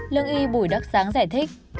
lương y bủi đắc sáng giải thích